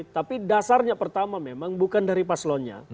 tapi dasarnya pertama memang bukan dari paslonnya